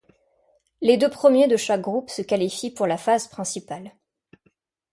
Les deux premiers de chaque groupe se qualifient pour la phase principale.